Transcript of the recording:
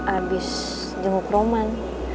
abis jenguk roman